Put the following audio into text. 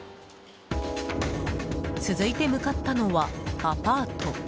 続いて向かったのはアパート。